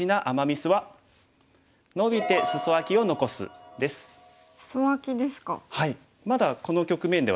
スソアキですか。